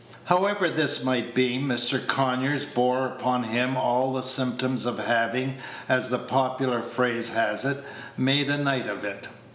However this might be, Mr. Conyers bore upon him all the symptoms of having, as the popular phrase has it, made a night of it.